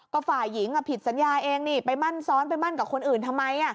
ก็ฝ่ายหญิงผิดสัญญาเองนี่ไปมั่นซ้อนไปมั่นกับคนอื่นทำไม